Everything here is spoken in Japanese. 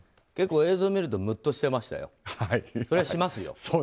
結構映像を見るとむっとしてましたよ。